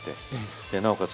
ええ。でなおかつ